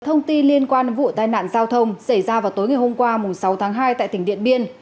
thông tin liên quan vụ tai nạn giao thông xảy ra vào tối ngày hôm qua sáu tháng hai tại tỉnh điện biên